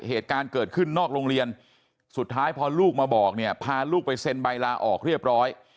เหตุการณ์เกิดขึ้นนอกโรงเรียนสุดท้ายพอลูกมาบอกเนี่ยพาลูกไปเซ็นใบลาออกเรียบร้อย